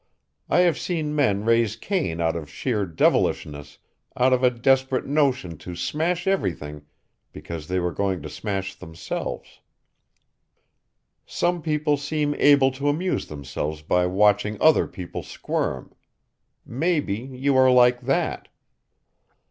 I have seen men raise Cain out of sheer devilishness, out of a desperate notion to smash everything because they were going to smash themselves. Some people seem able to amuse themselves by watching other people squirm. Maybe you are like that.